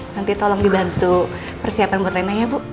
nanti tolong dibantu persiapan buat nenek ya bu